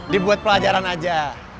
dibuat pelajaran aja